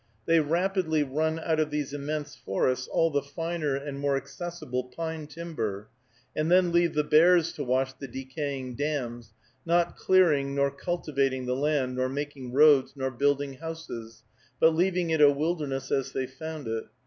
They rapidly run out of these immense forests all the finer, and more accessible pine timber, and then leave the bears to watch the decaying dams, not clearing nor cultivating the land, nor making roads, nor building houses, but leaving it a wilderness as they found it.